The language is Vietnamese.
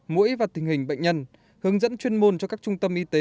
mũi và tình hình bệnh nhân hướng dẫn chuyên môn cho các trung tâm y tế